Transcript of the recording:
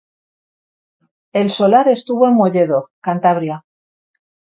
El solar estuvo en Molledo, Cantabria.